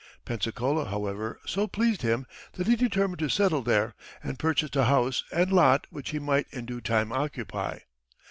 Pensacola, however, so pleased him that he determined to settle there, and purchased a house and lot which he might in due time occupy.